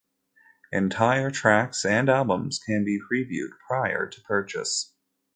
Entire tracks and albums can be previewed prior to purchase.